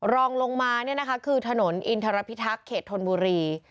รองลงมาคือถนนอินทรพิทักษ์เขตธนบุรี